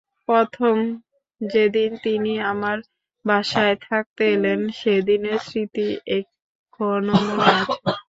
প্রথম যেদিন তিনি আমার বাসায় থাকতে এলেন, সেদিনের স্মৃতি এখনো মনে আছে।